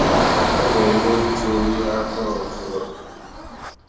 A na-eme ntụli aka ozuru oha